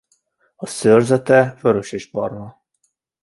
A szőrzete vörösesbarna.